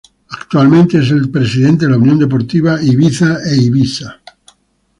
Actualmente es el presidente de la Unión Deportiva Ibiza-Eivissa.